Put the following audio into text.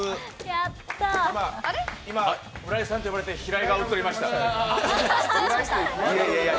今、浦井さんと呼ばれて、平井が映りました。